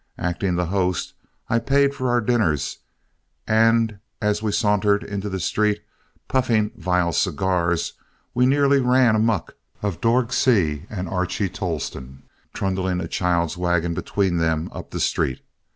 Acting the host, I paid for our dinners; and as we sauntered into the street, puffing vile cigars, we nearly ran amuck of Dorg Seay and Archie Tolleston, trundling a child's wagon between them up the street.